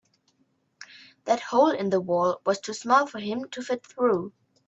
That hole in the wall was too small for him to fit through.